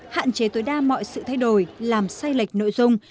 hạn chế tối đa mọi sự thay đổi làm sai lệch nội dung